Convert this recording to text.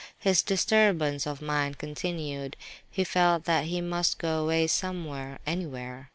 His disturbance of mind continued; he felt that he must go away somewhere, anywhere.